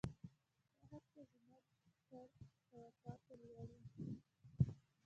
دا هرڅه زما تر توقعاتو لوړ وو.